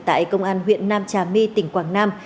tại công an huyện nam trà my tỉnh quảng nam